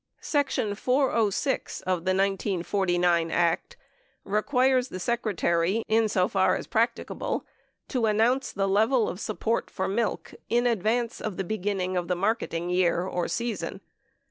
Section 406 of the 1949 act requires the Secretary, insofar as prac ticable, to announce the level of support for milk "in advance of the beginning of the marketing year or season."